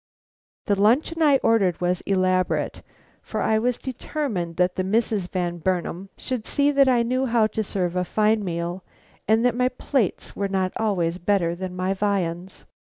The luncheon I ordered was elaborate, for I was determined that the Misses Van Burnam should see that I knew how to serve a fine meal, and that my plates were not always better than my viands.